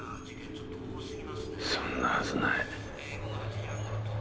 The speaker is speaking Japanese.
そんなはずない